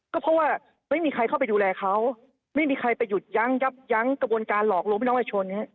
ก็เพราะว่าไม่มีใครเข้าไปดูแลเขาไม่มีใครไปหยุดยั้งยับยั้งกระบวนการหลอกลวงพี่น้องประชาชน